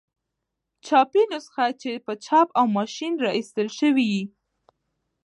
چاپي نسخه چي په چاپ او ما شين را ایستله سوې يي.